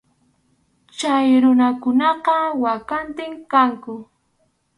Chay runakunaqa waqatim kanku.